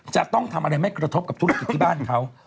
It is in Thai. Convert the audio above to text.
จะต้องทำอะไรไม่กระทบกับธุรกิจที่บ้านเขา